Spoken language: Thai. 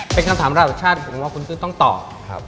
เป็นคำถามระดับชาติผมว่าคุณตื้นต้องตอบ